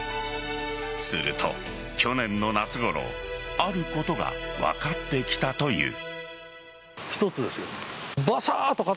すると、去年の夏ごろあることが分かってきたという。